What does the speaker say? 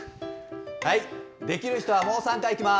はい、できる人はもう３回いきます。